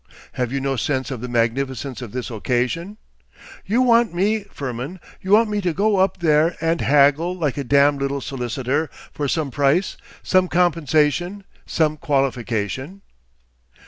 Have you no sense of the magnificence of this occasion? You want me, Firmin, you want me to go up there and haggle like a damned little solicitor for some price, some compensation, some qualification....